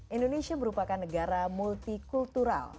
indonesia merupakan negara multikultural